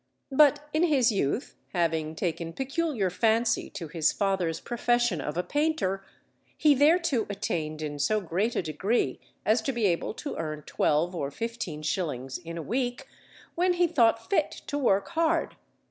But in his youth having taken peculiar fancy to his father's profession of a painter, he thereto attained in so great a degree as to be able to earn twelve or fifteen shillings in a week, when he thought fit to work hard.